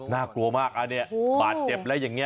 น่ากลัวมากอันนี้บาดเจ็บแล้วอย่างนี้